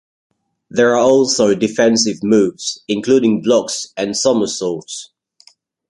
There are also defensive moves including blocks and somersaults.